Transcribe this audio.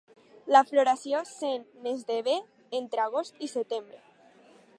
La floració se n'esdevé entre agost i setembre.